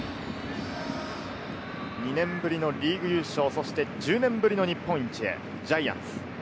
２年ぶりのリーグ優勝、そして１０年ぶりの日本一へ、ジャイアンツ。